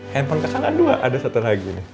handphone kesana dua ada satu lagi